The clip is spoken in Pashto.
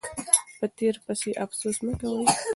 په تیر پسې افسوس مه کوئ.